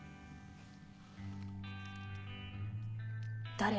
誰？